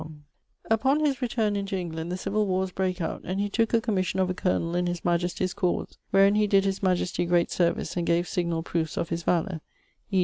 ] Upon his returne into England the civill warres brake out, and he tooke a comission of a colonel in his majestie's cause, wherin he did his majestie great service, and gave signall proofes of his valour; e.